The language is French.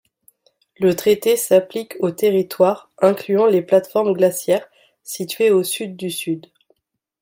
Le traité s’applique aux territoires, incluant les plates-formes glaciaires, situés au sud du sud.